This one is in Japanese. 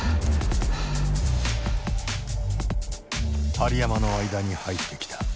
針山の間に入ってきた。